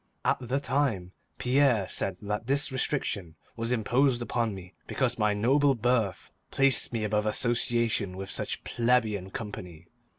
At the time, Pierre said that this restriction was imposed upon me because my noble birth placed me above association with such plebeian company.